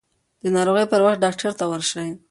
د ناروغۍ پر وخت ډاکټر ته ورشئ.